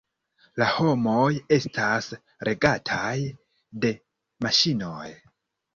La homoj estas regataj de maŝinoj.